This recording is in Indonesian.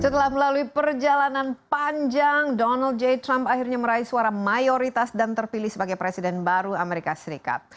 setelah melalui perjalanan panjang donald j trump akhirnya meraih suara mayoritas dan terpilih sebagai presiden baru amerika serikat